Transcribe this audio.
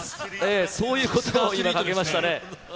そういうことばを今、かけましたね。